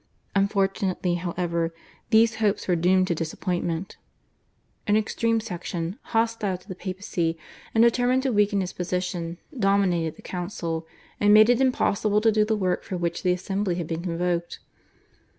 Unfortunately, however, these hopes were doomed to disappointment. An extreme section, hostile to the Papacy and determined to weaken its position, dominated the Council, and made it impossible to do the work for which the assembly had been convoked.